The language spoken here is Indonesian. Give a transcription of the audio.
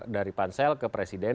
dari pansel ke presiden